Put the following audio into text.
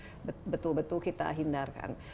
itu kan yang harusnya betul betul kita hindarkan